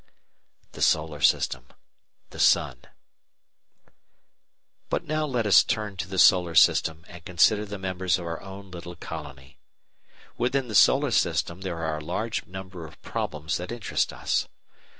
THE SOLAR SYSTEM THE SUN § 1 But now let us turn to the Solar System, and consider the members of our own little colony. Within the Solar System there are a large number of problems that interest us.